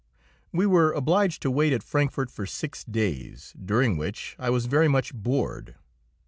We were obliged to wait at Frankfort six days, during which I was very much bored.